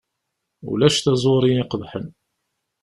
Ulac taẓuri iqebḥen.